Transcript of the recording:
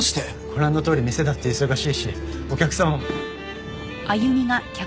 ご覧のとおり店だって忙しいしお客様も。